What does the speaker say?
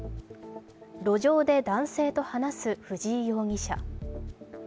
路上で男性と話す藤井容疑者。